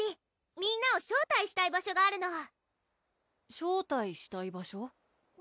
みんなを招待したい場所があるの招待したい場所？